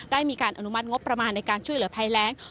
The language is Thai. มีการอนุมัติงบประมาณในการช่วยเหลือภัยแรง